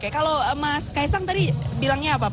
kalau mas kaisang tadi